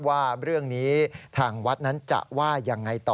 ว่าเรื่องนี้ทางวัดนั้นจะว่ายังไงต่อ